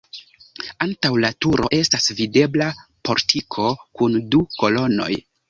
Antaŭ la turo estas videbla portiko kun du kolonoj.